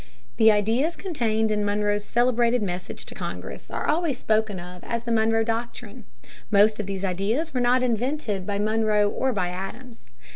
The ideas contained in Monroe's celebrated message to Congress are always spoken of as the Monroe Doctrine. Most of these ideas were not invented by Monroe or by Adams.